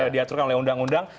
diaturkan oleh undang undang